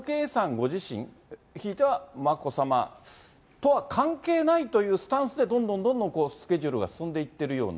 ご自身、ひいては眞子さまとは関係ないというスタンスで、どんどんどんどんスケジュールが進んでいってるような。